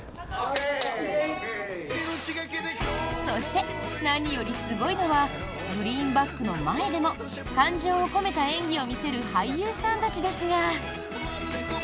そして、何よりすごいのはグリーンバックの前でも感情を込めた演技を見せる俳優さんたちですが。